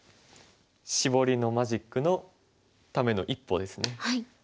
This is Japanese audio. シボリのマジックのための一歩ですね。